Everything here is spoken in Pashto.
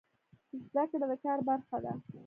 زده کړه د کار برخه ده